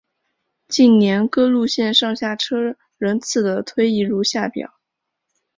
近年各路线上下车人次的推移如下表。